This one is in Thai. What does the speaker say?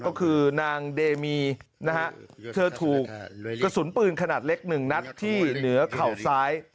ก็คือนางเดมีนะฮะเธอถูกกระสุนปืนขนาดเล็กหนึ่งนัดที่เหนือเข่าซ้าย